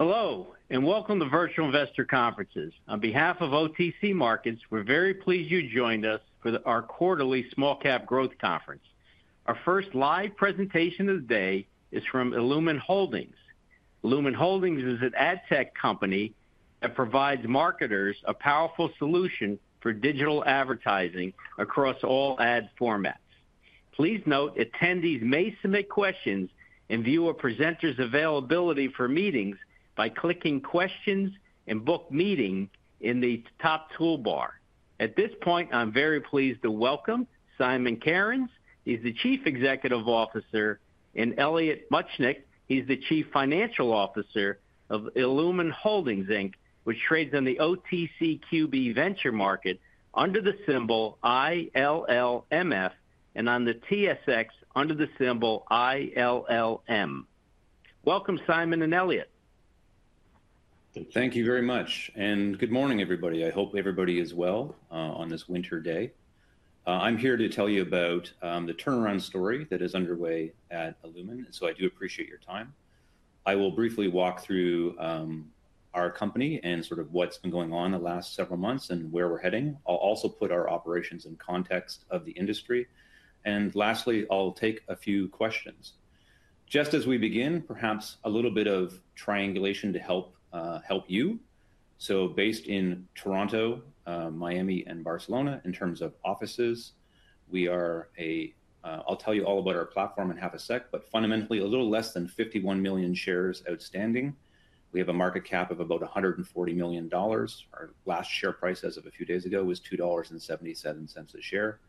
Hello, and welcome to Virtual Investor Conferences. On behalf of OTC Markets, we're very pleased you joined us for our quarterly small-cap growth conference. Our first live presentation of the day is from illumin Holdings. illumin Holdings is an ad tech company that provides marketers a powerful solution for digital advertising across all ad formats. Please note attendees may submit questions and view a presenter's availability for meetings by clicking "Questions" and "Book Meeting" in the top toolbar. At this point, I'm very pleased to welcome Simon Cairns. He's the Chief Executive Officer. And Elliot Muchnik, he's the Chief Financial Officer of illumin Holdings, which trades on the OTCQB Venture Market under the symbol ILLMF and on the TSX under the symbol ILLM. Welcome, Simon and Elliot. Thank you very much. Good morning, everybody. I hope everybody is well on this winter day. I'm here to tell you about the turnaround story that is underway at illumin. I do appreciate your time. I will briefly walk through our company and sort of what's been going on the last several months and where we're heading. I'll also put our operations in context of the industry. Lastly, I'll take a few questions. Just as we begin, perhaps a little bit of triangulation to help you. Based in Toronto, Miami, and Barcelona in terms of offices, we are a—I’ll tell you all about our platform in half a sec—but fundamentally, a little less than 51 million shares outstanding. We have a market cap of about $140 million. Our last share price as of a few days ago was $2.77 a share.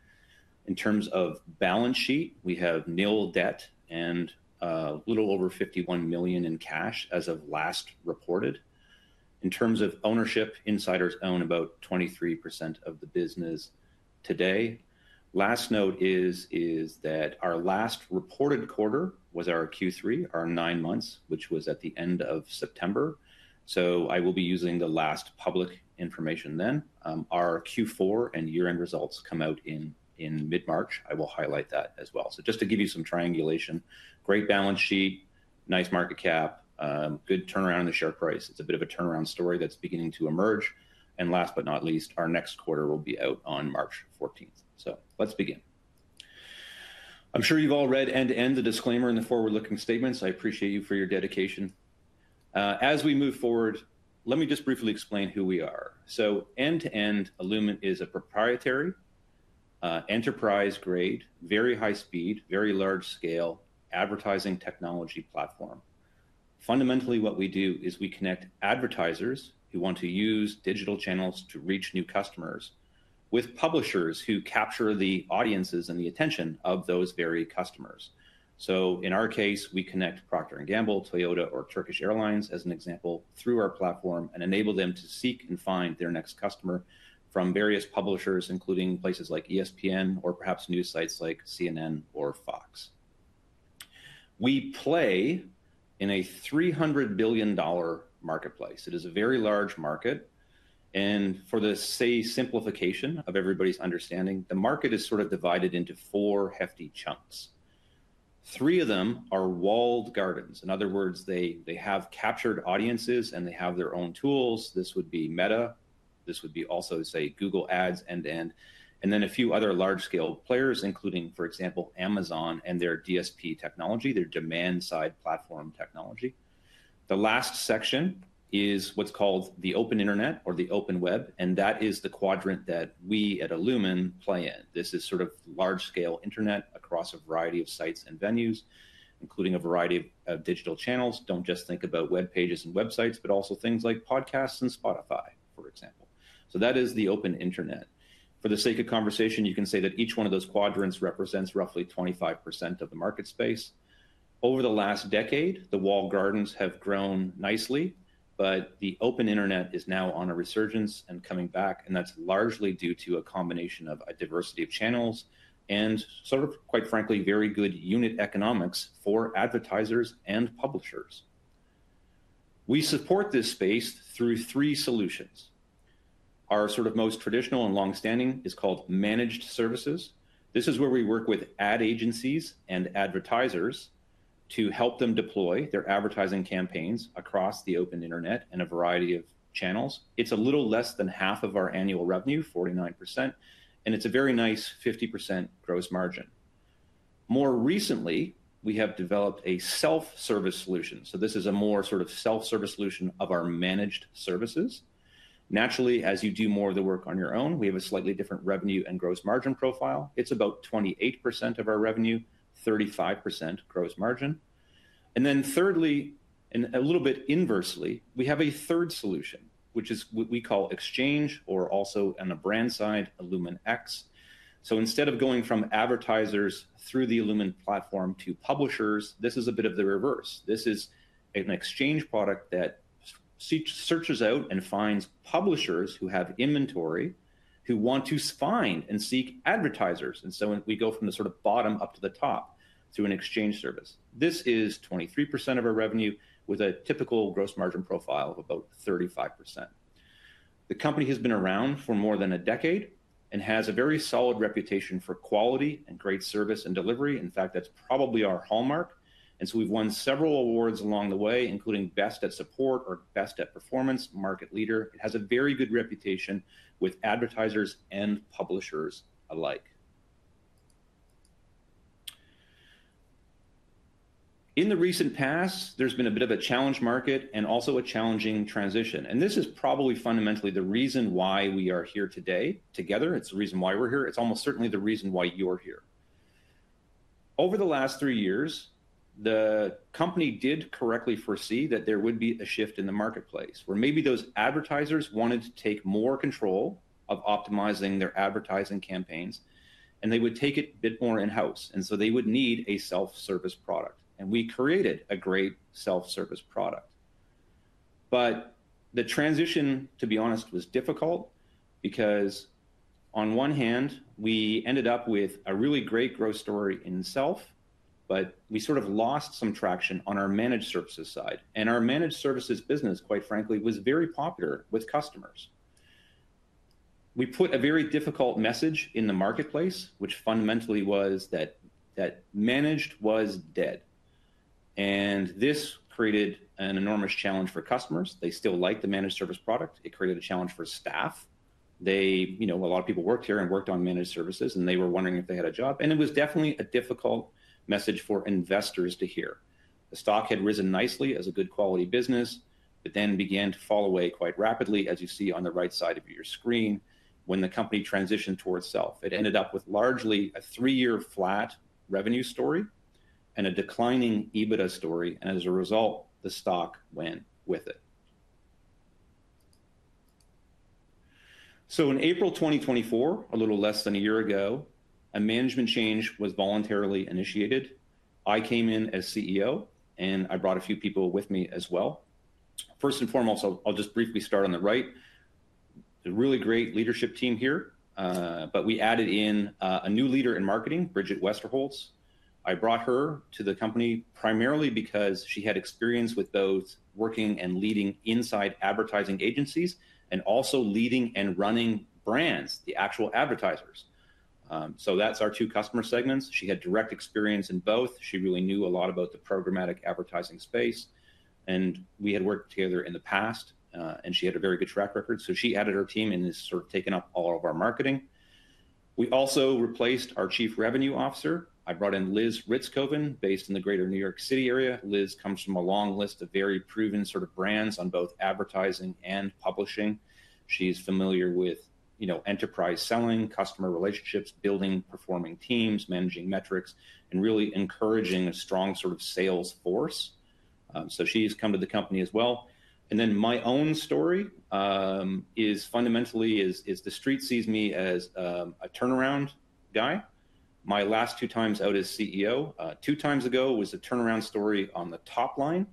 In terms of balance sheet, we have nil debt and a little over $51 million in cash as of last reported. In terms of ownership, insiders own about 23% of the business today. Last note is that our last reported quarter was our Q3, our nine months, which was at the end of September. I will be using the last public information then. Our Q4 and year-end results come out in mid-March. I will highlight that as well. Just to give you some triangulation, great balance sheet, nice market cap, good turnaround in the share price. It is a bit of a turnaround story that is beginning to emerge. Last but not least, our next quarter will be out on March 14. Let's begin. I'm sure you've all read end-to-end the disclaimer and the forward-looking statements. I appreciate you for your dedication. As we move forward, let me just briefly explain who we are. End-to-end, illumin is a proprietary enterprise-grade, very high-speed, very large-scale advertising technology platform. Fundamentally, what we do is we connect advertisers who want to use digital channels to reach new customers with publishers who capture the audiences and the attention of those very customers. In our case, we connect Procter & Gamble, Toyota, or Turkish Airlines as an example through our platform and enable them to seek and find their next customer from various publishers, including places like ESPN or perhaps news sites like CNN or FOX. We play in a $300 billion marketplace. It is a very large market. For the sake of simplification of everybody's understanding, the market is sort of divided into four hefty chunks. Three of them are walled gardens. In other words, they have captured audiences, and they have their own tools. This would be Meta. This would be also, say, Google Ads end-to-end. A few other large-scale players, including, for example, Amazon and their DSP technology, their demand-side platform technology. The last section is what's called the open internet or the open web. That is the quadrant that we at illumin play in. This is sort of large-scale internet across a variety of sites and venues, including a variety of digital channels. Do not just think about web pages and websites, but also things like podcasts and Spotify, for example. That is the open internet. For the sake of conversation, you can say that each one of those quadrants represents roughly 25% of the market space. Over the last decade, the walled gardens have grown nicely, but the open internet is now on a resurgence and coming back. That is largely due to a combination of a diversity of channels and, quite frankly, very good unit economics for advertisers and publishers. We support this space through three solutions. Our most traditional and long-standing is called Managed Services. This is where we work with ad agencies and advertisers to help them deploy their advertising campaigns across the open internet and a variety of channels. It is a little less than half of our annual revenue, 49%. It is a very nice 50% gross margin. More recently, we have developed a Self-Service solution. This is a more Self-Service solution of our Managed Services. Naturally, as you do more of the work on your own, we have a slightly different revenue and gross margin profile. It's about 28% of our revenue, 35% gross margin. Thirdly, and a little bit inversely, we have a third solution, which is what we call Exchange or also on the brand side, illumin X. Instead of going from advertisers through the illumin platform to publishers, this is a bit of the reverse. This is an Exchange product that searches out and finds publishers who have inventory who want to find and seek advertisers. We go from the sort of bottom up to the top through an Exchange service. This is 23% of our revenue with a typical gross margin profile of about 35%. The company has been around for more than a decade and has a very solid reputation for quality and great service and delivery. In fact, that's probably our hallmark. We've won several awards along the way, including Best at Support or Best at Performance, Market Leader. It has a very good reputation with advertisers and publishers alike. In the recent past, there's been a bit of a challenge market and also a challenging transition. This is probably fundamentally the reason why we are here today together. It's the reason why we're here. It's almost certainly the reason why you're here. Over the last three years, the company did correctly foresee that there would be a shift in the marketplace where maybe those advertisers wanted to take more control of optimizing their advertising campaigns, and they would take it a bit more in-house. They would need a Self-Service product. We created a great Self-Service product. The transition, to be honest, was difficult because on one hand, we ended up with a really great growth story in itself, but we sort of lost some traction on our Managed Services side. Our Managed Services business, quite frankly, was very popular with customers. We put a very difficult message in the marketplace, which fundamentally was that managed was dead. This created an enormous challenge for customers. They still liked the Managed Services product. It created a challenge for staff. A lot of people worked here and worked on Managed Services, and they were wondering if they had a job. It was definitely a difficult message for investors to hear. The stock had risen nicely as a good quality business, but then began to fall away quite rapidly, as you see on the right side of your screen, when the company transitioned towards self. It ended up with largely a three-year flat revenue story and a declining EBITDA story. As a result, the stock went with it. In April 2024, a little less than a year ago, a management change was voluntarily initiated. I came in as CEO, and I brought a few people with me as well. First and foremost, I'll just briefly start on the right. A really great leadership team here. We added in a new leader in marketing, Bridget Westerholz. I brought her to the company primarily because she had experience with both working and leading inside advertising agencies and also leading and running brands, the actual advertisers. That's our two customer segments. She had direct experience in both. She really knew a lot about the programmatic advertising space. We had worked together in the past, and she had a very good track record. She added her team and has sort of taken up all of our marketing. We also replaced our Chief Revenue Officer. I brought in Liz Ritzcovan based in the greater New York City area. Liz comes from a long list of very proven sort of brands on both advertising and publishing. She's familiar with enterprise selling, customer relationships, building performing teams, managing metrics, and really encouraging a strong sort of sales force. She's come to the company as well. My own story is fundamentally the street sees me as a turnaround guy. My last two times out as CEO, two times ago was a turnaround story on the top line.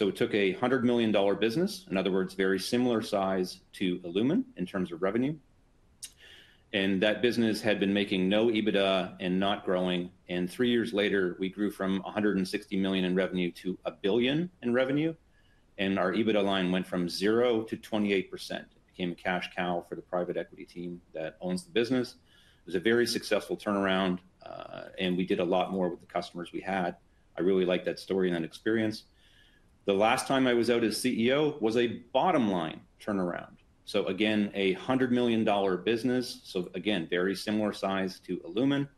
It took a $100 million business, in other words, very similar size to illumin in terms of revenue. That business had been making no EBITDA and not growing. Three years later, we grew from $160 million in revenue to $1 billion in revenue. Our EBITDA line went from zero to 28%. It became a cash cow for the private equity team that owns the business. It was a very successful turnaround, and we did a lot more with the customers we had. I really liked that story and that experience. The last time I was out as CEO was a bottom-line turnaround. Again, a $100 million business. Again, very similar size to illumin.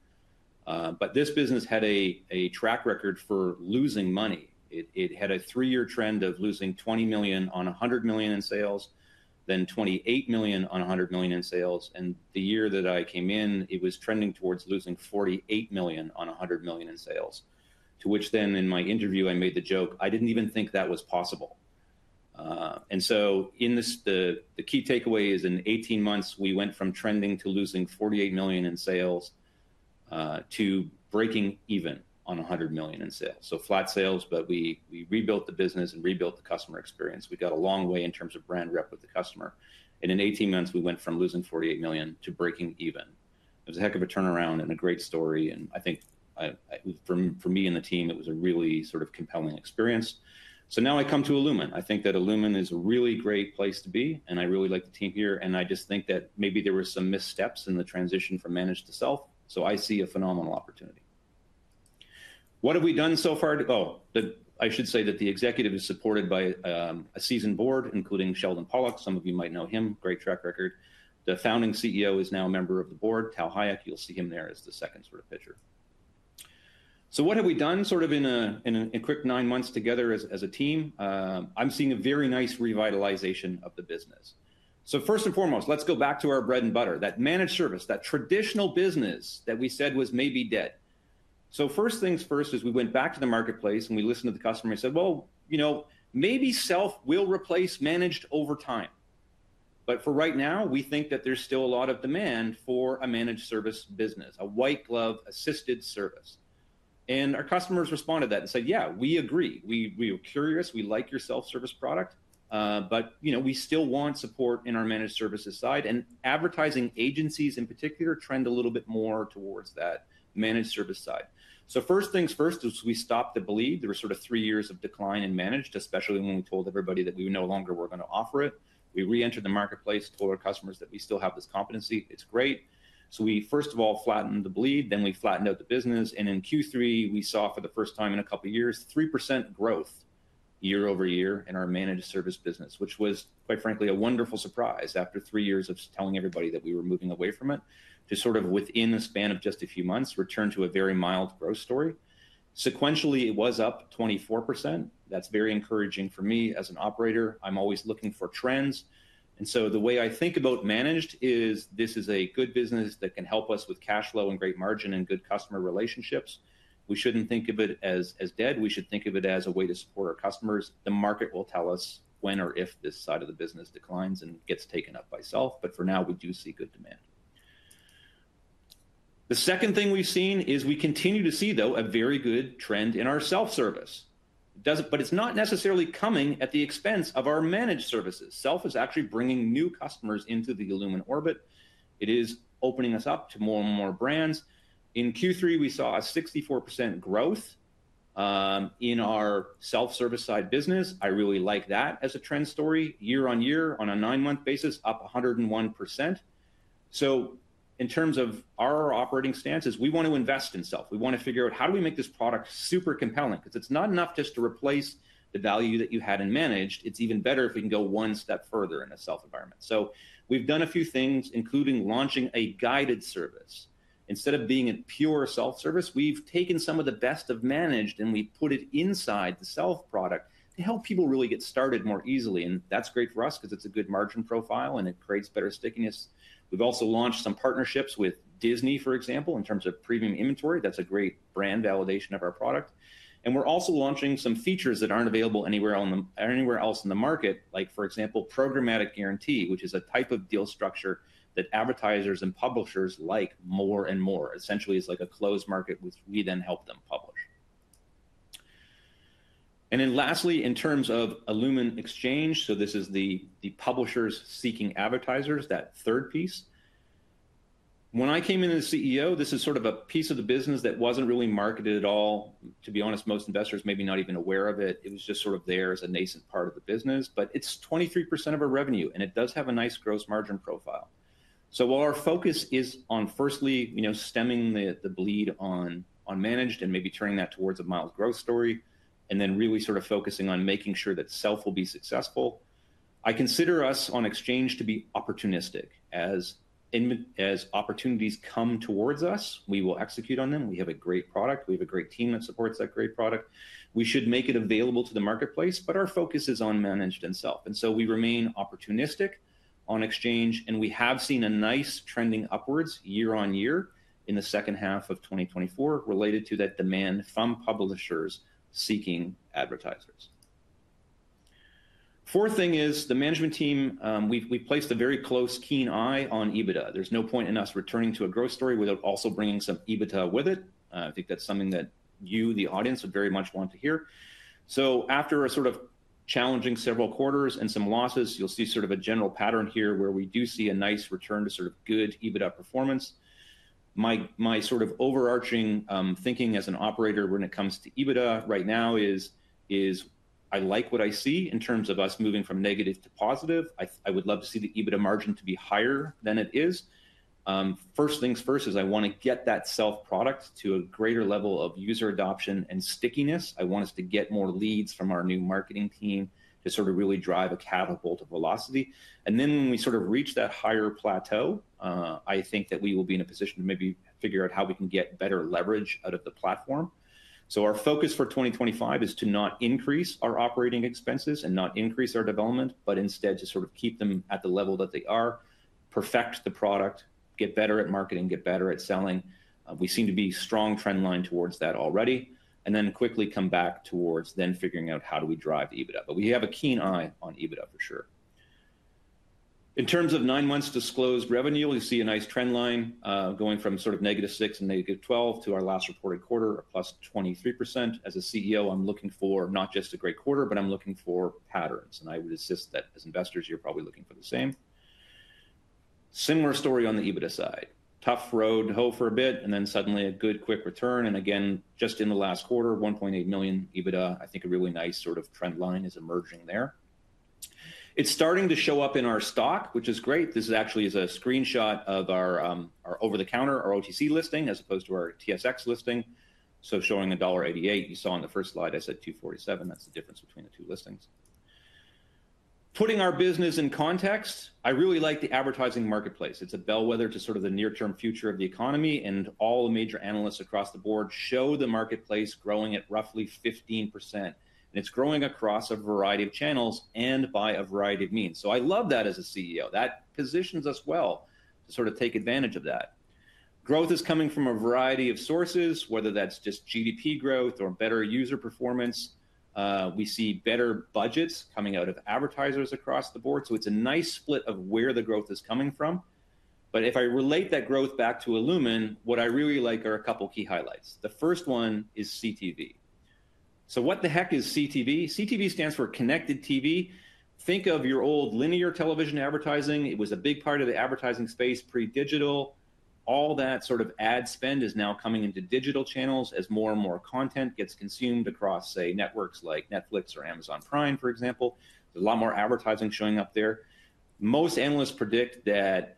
This business had a track record for losing money. It had a three-year trend of losing $20 million on $100 million in sales, then $28 million on $100 million in sales. The year that I came in, it was trending towards losing $48 million on $100 million in sales, to which in my interview, I made the joke, "I didn't even think that was possible." The key takeaway is in 18 months, we went from trending to losing $48 million in sales to breaking even on $100 million in sales. Flat sales, but we rebuilt the business and rebuilt the customer experience. We got a long way in terms of brand rep with the customer. In 18 months, we went from losing $48 million to breaking even. It was a heck of a turnaround and a great story. I think for me and the team, it was a really sort of compelling experience. Now I come to illumin. I think that illumin is a really great place to be. I really like the team here. I just think that maybe there were some missteps in the transition from managed to self. I see a phenomenal opportunity. What have we done so far? I should say that the executive is supported by a seasoned board, including Sheldon Pollack. Some of you might know him. Great track record. The founding CEO is now a member of the board, Tal Hayek. You'll see him there as the second sort of pitcher. What have we done sort of in a quick nine months together as a team? I'm seeing a very nice revitalization of the business. First and foremost, let's go back to our bread and butter, that managed service, that traditional business that we said was maybe dead. First things first is we went back to the marketplace and we listened to the customer. We said, "You know, maybe self will replace managed over time." For right now, we think that there's still a lot of demand for a managed service business, a white glove assisted service. Our customers responded to that and said, "Yeah, we agree. We are curious. We like your Self-Service product. We still want support in our Managed Services side." Advertising agencies in particular trend a little bit more towards that managed service side. First things first is we stopped the bleed. There were sort of three years of decline in managed, especially when we told everybody that we no longer were going to offer it. We re-entered the marketplace, told our customers that we still have this competency. It's great. We first of all flattened the bleed, then we flattened out the business. In Q3, we saw for the first time in a couple of years, 3% growth year-over-year in our managed service business, which was, quite frankly, a wonderful surprise after three years of telling everybody that we were moving away from it to sort of within the span of just a few months return to a very mild growth story. Sequentially, it was up 24%. That's very encouraging for me as an operator. I'm always looking for trends. The way I think about managed is this is a good business that can help us with cash flow and great margin and good customer relationships. We shouldn't think of it as dead. We should think of it as a way to support our customers. The market will tell us when or if this side of the business declines and gets taken up by self. For now, we do see good demand. The second thing we've seen is we continue to see, though, a very good trend in our Self-Service. It's not necessarily coming at the expense of our Managed Services. Self is actually bringing new customers into the illumin orbit. It is opening us up to more and more brands. In Q3, we saw a 64% growth in our Self-Service side business. I really like that as a trend story. Year-on-year, on a nine-month basis, up 101%. In terms of our operating stances, we want to invest in self. We want to figure out how do we make this product super compelling because it's not enough just to replace the value that you had in managed. It's even better if we can go one step further in a self environment. We've done a few things, including launching a guided service. Instead of being a pure Self-Service, we've taken some of the best of managed and we put it inside the self product to help people really get started more easily. That's great for us because it's a good margin profile and it creates better stickiness. We've also launched some partnerships with Disney, for example, in terms of premium inventory. That's a great brand validation of our product. We're also launching some features that aren't available anywhere else in the market, like, for example, Programmatic Guaranteed, which is a type of deal structure that advertisers and publishers like more and more. Essentially, it's like a closed market which we then help them publish. Lastly, in terms of illumin Exchange, this is the publishers seeking advertisers, that third piece. When I came in as CEO, this is sort of a piece of the business that wasn't really marketed at all. To be honest, most investors may be not even aware of it. It was just sort of there as a nascent part of the business. But it's 23% of our revenue, and it does have a nice gross margin profile. While our focus is on firstly stemming the bleed on managed and maybe turning that towards a mild growth story and then really sort of focusing on making sure that self will be successful, I consider us on Exchange to be opportunistic. As opportunities come towards us, we will execute on them. We have a great product. We have a great team that supports that great product. We should make it available to the marketplace, but our focus is on managed and self. We remain opportunistic on Exchange, and we have seen a nice trending upwards year-on-year in the second half of 2024 related to that demand from publishers seeking advertisers. Fourth thing is the management team. We placed a very close keen eye on EBITDA. There is no point in us returning to a growth story without also bringing some EBITDA with it. I think that's something that you, the audience, would very much want to hear. After sort of challenging several quarters and some losses, you'll see sort of a general pattern here where we do see a nice return to sort of good EBITDA performance. My sort of overarching thinking as an operator when it comes to EBITDA right now is I like what I see in terms of us moving from negative to positive. I would love to see the EBITDA margin to be higher than it is. First things first is I want to get that self product to a greater level of user adoption and stickiness. I want us to get more leads from our new marketing team to sort of really drive a catapult of velocity. When we sort of reach that higher plateau, I think that we will be in a position to maybe figure out how we can get better leverage out of the platform. Our focus for 2025 is to not increase our operating expenses and not increase our development, but instead to sort of keep them at the level that they are, perfect the product, get better at marketing, get better at selling. We seem to be strong trend line towards that already, and then quickly come back towards then figuring out how do we drive EBITDA. We have a keen eye on EBITDA for sure. In terms of nine months disclosed revenue, we see a nice trend line going from negative six and negative 12 to our last reported quarter, a plus 23%. As a CEO, I'm looking for not just a great quarter, but I'm looking for patterns. I would insist that as investors, you're probably looking for the same. Similar story on the EBITDA side. Tough road to hoe for a bit, and then suddenly a good quick return. Just in the last quarter, $1.8 million EBITDA, I think a really nice sort of trend line is emerging there. It's starting to show up in our stock, which is great. This actually is a screenshot of our over-the-counter, our OTC listing as opposed to our TSX listing. Showing $1.88. You saw on the first slide, I said $2.47. That's the difference between the two listings. Putting our business in context, I really like the advertising marketplace. It's a bellwether to sort of the near-term future of the economy. All the major analysts across the board show the marketplace growing at roughly 15%. It's growing across a variety of channels and by a variety of means. I love that as a CEO. That positions us well to sort of take advantage of that. Growth is coming from a variety of sources, whether that's just GDP growth or better user performance. We see better budgets coming out of advertisers across the board. It's a nice split of where the growth is coming from. If I relate that growth back to illumin, what I really like are a couple of key highlights. The first one is CTV. What the heck is CTV? CTV stands for Connected TV. Think of your old linear television advertising. It was a big part of the advertising space pre-digital. All that sort of ad spend is now coming into digital channels as more and more content gets consumed across, say, networks like Netflix or Amazon Prime, for example. There's a lot more advertising showing up there. Most analysts predict that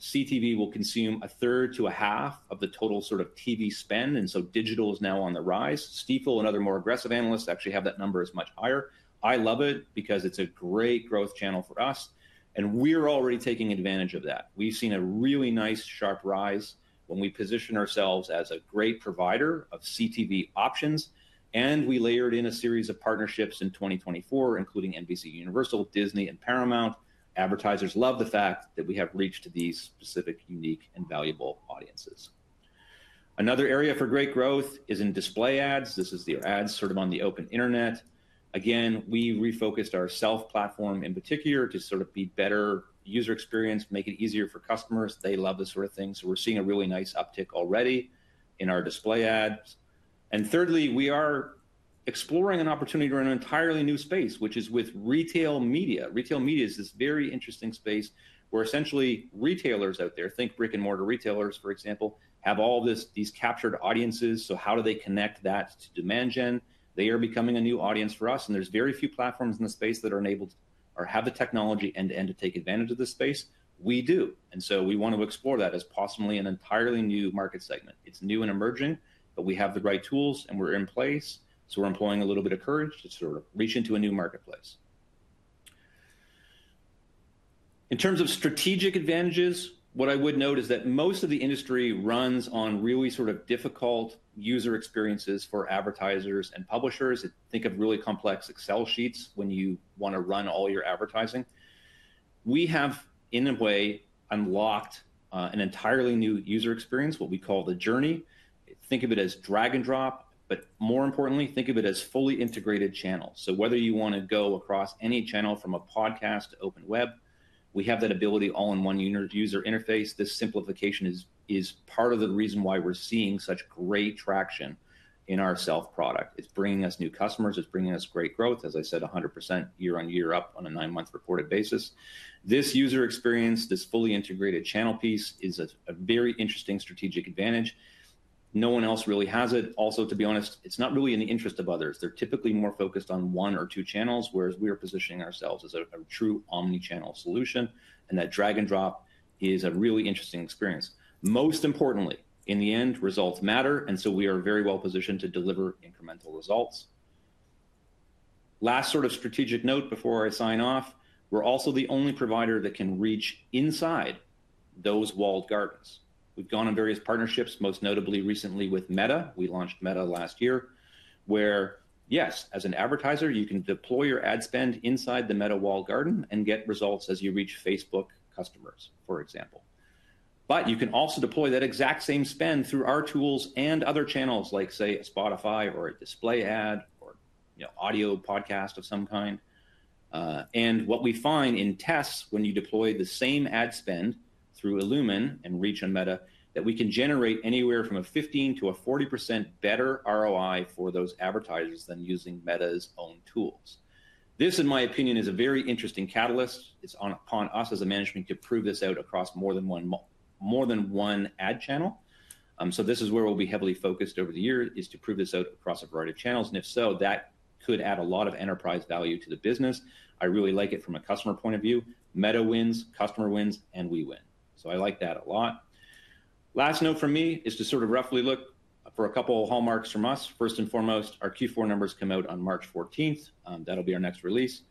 CTV will consume a third to a half of the total sort of TV spend. Digital is now on the rise. Stifel and other more aggressive analysts actually have that number as much higher. I love it because it's a great growth channel for us. We're already taking advantage of that. We've seen a really nice sharp rise when we position ourselves as a great provider of CTV options. We layered in a series of partnerships in 2024, including NBCUniversal, Disney, and Paramount. Advertisers love the fact that we have reached these specific, unique, and valuable audiences. Another area for great growth is in display ads. This is the ads sort of on the open internet. Again, we refocused our self platform in particular to sort of be better user experience, make it easier for customers. They love this sort of thing. We are seeing a really nice uptick already in our display ads. Thirdly, we are exploring an opportunity to run an entirely new space, which is with retail media. Retail media is this very interesting space where essentially retailers out there, think brick-and-mortar retailers, for example, have all these captured audiences. How do they connect that to demand gen? They are becoming a new audience for us. There are very few platforms in the space that are enabled or have the technology end-to-end to take advantage of this space. We do. We want to explore that as possibly an entirely new market segment. It's new and emerging, but we have the right tools and we're in place. We're employing a little bit of courage to sort of reach into a new marketplace. In terms of strategic advantages, what I would note is that most of the industry runs on really sort of difficult user experiences for advertisers and publishers. Think of really complex Excel sheets when you want to run all your advertising. We have, in a way, unlocked an entirely new user experience, what we call the journey. Think of it as drag and drop, but more importantly, think of it as fully integrated channels. Whether you want to go across any channel from a podcast to open web, we have that ability all in one user interface. This simplification is part of the reason why we're seeing such great traction in our self product. It's bringing us new customers. It's bringing us great growth. As I said, 100% year-on-year up on a nine-month reported basis. This user experience, this fully integrated channel piece is a very interesting strategic advantage. No one else really has it. Also, to be honest, it's not really in the interest of others. They're typically more focused on one or two channels, whereas we are positioning ourselves as a true omnichannel solution. That drag and drop is a really interesting experience. Most importantly, in the end, results matter. We are very well-positioned to deliver incremental results. Last sort of strategic note before I sign off, we're also the only provider that can reach inside those walled gardens. We've gone on various partnerships, most notably recently with Meta. We launched Meta last year, where, yes, as an advertiser, you can deploy your ad spend inside the Meta walled garden and get results as you reach Facebook customers, for example. You can also deploy that exact same spend through our tools and other channels like, say, a Spotify or a display ad or audio podcast of some kind. What we find in tests when you deploy the same ad spend through illumin and reach on Meta is that we can generate anywhere from a 15%-40% better ROI for those advertisers than using Meta's own tools. This, in my opinion, is a very interesting catalyst. It is upon us as a management team to prove this out across more than one ad channel. This is where we will be heavily focused over the years, to prove this out across a variety of channels. If so, that could add a lot of enterprise value to the business. I really like it from a customer point of view. Meta wins, customer wins, and we win. I like that a lot. Last note for me is to sort of roughly look for a couple of hallmarks from us. First and foremost, our Q4 numbers come out on March 14. That will be our next release.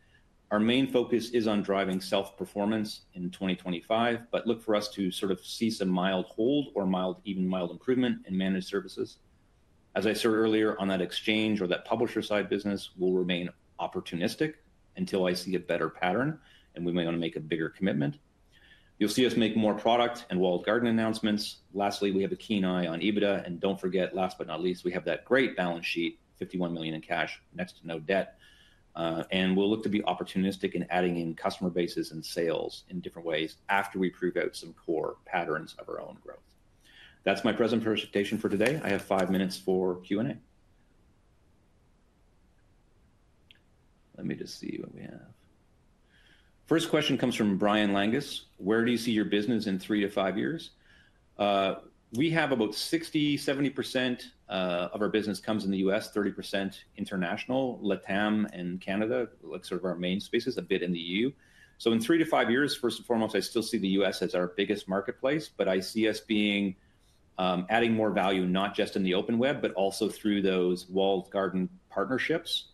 Our main focus is on driving self-performance in 2025, but look for us to sort of see some mild hold or even mild improvement in Managed Services. As I said earlier, on that Exchange or that publisher side business, we will remain opportunistic until I see a better pattern, and we may want to make a bigger commitment. You will see us make more product and walled garden announcements. Lastly, we have a keen eye on EBITDA. Do not forget, last but not least, we have that great balance sheet, $51 million in cash, next to no debt. We will look to be opportunistic in adding in customer bases and sales in different ways after we prove out some core patterns of our own growth. That is my present presentation for today. I have five minutes for Q&A. Let me just see what we have. First question comes from Brian Langus. Where do you see your business in three to five years? We have about 60%-70% of our business comes in the U.S., 30% international. LATAM and Canada look sort of our main spaces, a bit in the EU. In three to five years, first and foremost, I still see the U.S. as our biggest marketplace, but I see us adding more value, not just in the open web, but also through those walled garden partnerships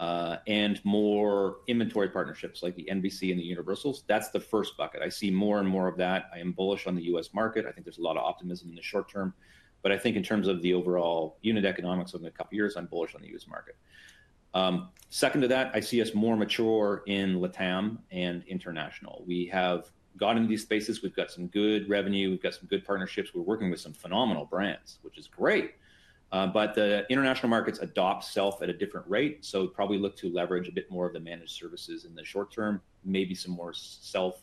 and more inventory partnerships like the NBCUniversal. That is the first bucket. I see more and more of that. I am bullish on the U.S. market. I think there is a lot of optimism in the short term. I think in terms of the overall unit economics over the next couple of years, I am bullish on the U.S. market. Second to that, I see us more mature in LATAM and international. We have gotten into these spaces. We have got some good revenue. We have got some good partnerships. We are working with some phenomenal brands, which is great. The international markets adopt self at a different rate. Probably look to leverage a bit more of the Managed Services in the short term, maybe some more self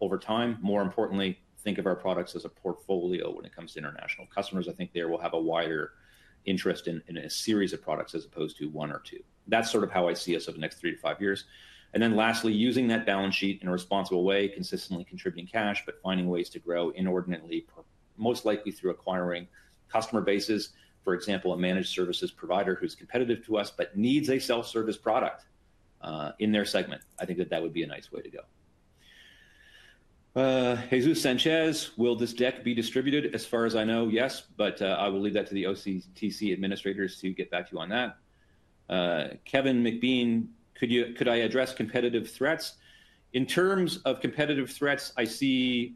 over time. More importantly, think of our products as a portfolio when it comes to international customers. I think there will have a wider interest in a series of products as opposed to one or two. That is sort of how I see us over the next three to five years. Lastly, using that balance sheet in a responsible way, consistently contributing cash, but finding ways to grow inordinately, most likely through acquiring customer bases. For example, a Managed Services provider who is competitive to us but needs a Self-Service product in their segment. I think that that would be a nice way to go. Jesus Sanchez, will this deck be distributed? As far as I know, yes, but I will leave that to the OTC administrators to get back to you on that. Kevin McBean, could I address competitive threats? In terms of competitive threats, I see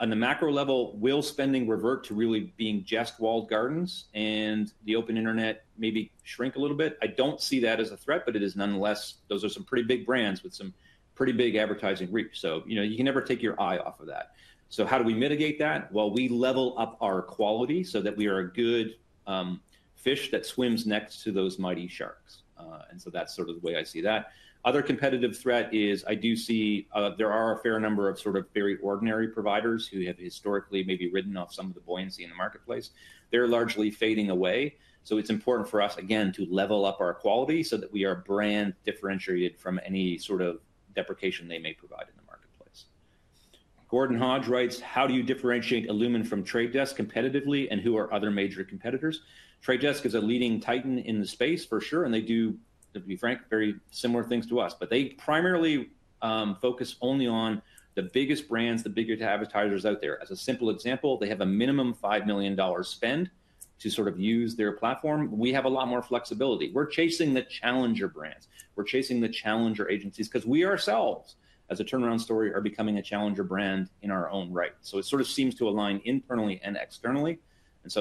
on the macro level, will spending revert to really being just walled gardens and the open internet maybe shrink a little bit? I do not see that as a threat, but it is nonetheless. Those are some pretty big brands with some pretty big advertising reach. You can never take your eye off of that. How do we mitigate that? We level up our quality so that we are a good fish that swims next to those mighty sharks. That is sort of the way I see that. Other competitive threat is I do see there are a fair number of sort of very ordinary providers who have historically maybe ridden off some of the buoyancy in the marketplace. They're largely fading away. It is important for us, again, to level up our quality so that we are brand differentiated from any sort of deprecation they may provide in the marketplace. Gordon Hodge writes, how do you differentiate illumin from Trade Desk competitively and who are other major competitors? Trade Desk is a leading titan in the space for sure. They do, to be frank, very similar things to us. They primarily focus only on the biggest brands, the biggest advertisers out there. As a simple example, they have a minimum $5 million spend to sort of use their platform. We have a lot more flexibility. We're chasing the challenger brands. We're chasing the challenger agencies because we ourselves, as a turnaround story, are becoming a challenger brand in our own right. It sort of seems to align internally and externally.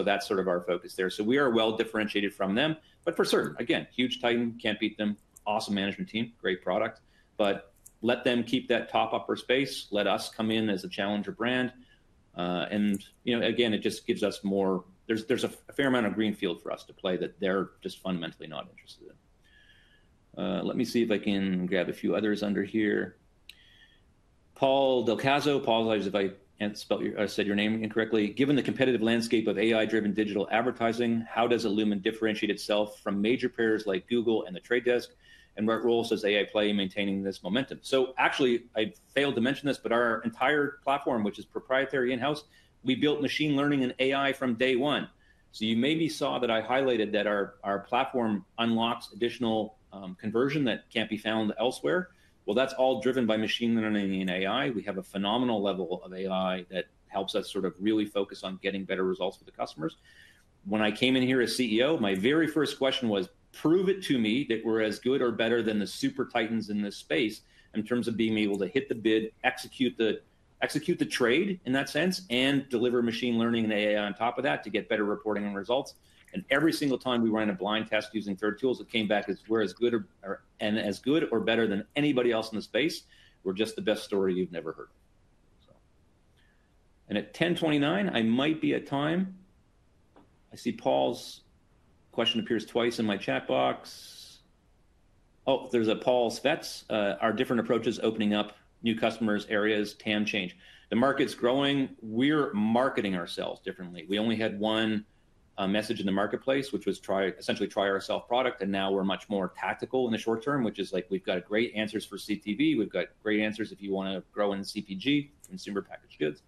That is sort of our focus there. We are well differentiated from them. For certain, again, huge titan, can't beat them. Awesome management team, great product. Let them keep that top-upper space. Let us come in as a challenger brand. Again, it just gives us more—there's a fair amount of greenfield for us to play that they're just fundamentally not interested in. Let me see if I can grab a few others under here. Paul Delcaso, apologies if I said your name incorrectly. Given the competitive landscape of AI-driven digital advertising, how does illumin differentiate itself from major players like Google and The Trade Desk? What roles does AI play in maintaining this momentum? Actually, I failed to mention this, but our entire platform, which is proprietary in-house, we built machine learning and AI from day one. You maybe saw that I highlighted that our platform unlocks additional conversion that cannot be found elsewhere. That is all driven by machine learning and AI. We have a phenomenal level of AI that helps us sort of really focus on getting better results for the customers. When I came in here as CEO, my very first question was, prove it to me that we are as good or better than the super titans in this space in terms of being able to hit the bid, execute the trade in that sense, and deliver machine learning and AI on top of that to get better reporting and results. Every single time we ran a blind test using third tools, it came back as we're as good or better than anybody else in the space. We're just the best story you've never heard. At 10:29, I might be at time. I see Paul's question appears twice in my chat box. Oh, there's a Paul Svets: our different approaches opening up new customers, areas, TAM change. The market's growing. We're marketing ourselves differently. We only had one message in the marketplace, which was essentially try our self product. Now we're much more tactical in the short term, which is like we've got great answers for CTV. We've got great answers if you want to grow in CPG, Consumer Packaged Goods.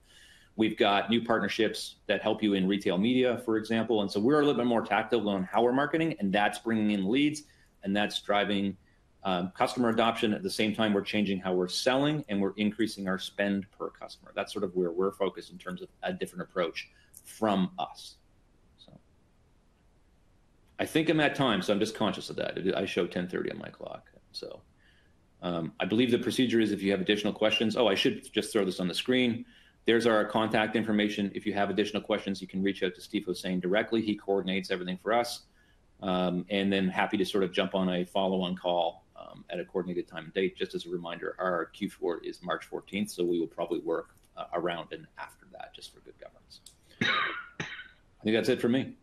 We've got new partnerships that help you in retail media, for example. We're a little bit more tactical on how we're marketing. That's bringing in leads. That's driving customer adoption. At the same time, we're changing how we're selling and we're increasing our spend per customer. That's sort of where we're focused in terms of a different approach from us. I think I'm at time, so I'm just conscious of that. I show 10:30 on my clock. I believe the procedure is if you have additional questions—oh, I should just throw this on the screen. There's our contact information. If you have additional questions, you can reach out to Steve Hosein directly. He coordinates everything for us. Happy to sort of jump on a follow-on call at a coordinated time and date. Just as a reminder, our Q4 is March 14, so we will probably work around and after that just for good governance. I think that's it for me.